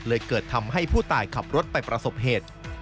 เกิดทำให้ผู้ตายขับรถไปประสบเหตุ